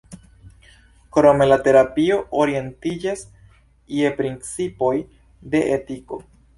Krome la terapio orientiĝas je principoj de etiko.